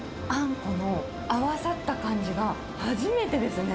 この合わさった感じが、初めてですね。